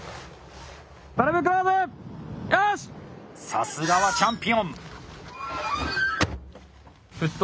さすがはチャンピオン！